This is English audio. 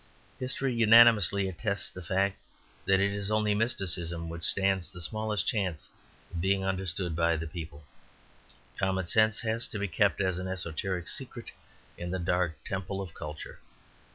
History unanimously attests the fact that it is only mysticism which stands the smallest chance of being understanded of the people. Common sense has to be kept as an esoteric secret in the dark temple of culture.